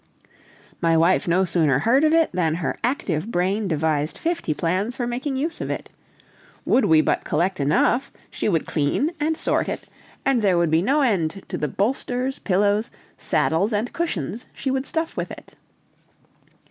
My wife no sooner heard of it than her active brain devised fifty plans for making it of use. Would we but collect enough, she would clean and sort it, and there would be no end to the bolsters, pillows, saddles, and cushions she would stuff with it.